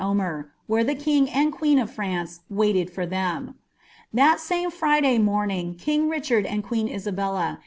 Omcr, where llie king aiid qiieen of France waited ' ihrm. That tame FriJay rnornin)( kinjf Ricliard and queen Isabella